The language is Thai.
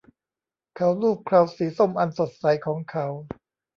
เขาลูบเคราสีส้มอันสดใสของเขา